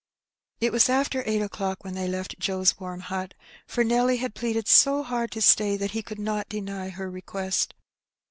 '' It was after eight o'clock when they left Joe's warm hut, for Nelly had pleaded so hard to stay that he could not deny her request.